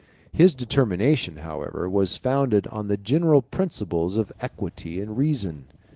His determination, however, was founded on the general principles of equity and reason.